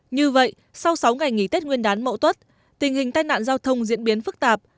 như vậy sau sáu ngày nghỉ tết nguyên đán mậu tuất tình hình tai nạn giao thông diễn biến phức tạp